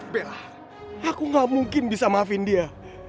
bella aku gak mungkin bisa maafin dia